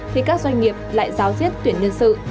thì các doanh nghiệp lại giáo diết tuyển nhân sự